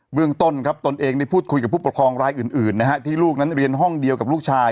เรื่องต้นครับตนเองได้พูดคุยกับผู้ปกครองรายอื่นนะฮะที่ลูกนั้นเรียนห้องเดียวกับลูกชาย